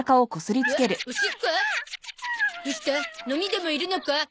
ノミでもいるのか？